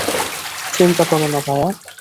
চিন্তা করো না, ভায়া।